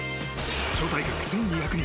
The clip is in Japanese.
招待客１２００人